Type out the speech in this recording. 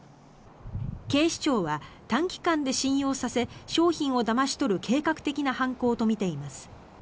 警視庁は短期間で信用させ商品をだまし取る計画的な犯行とみています。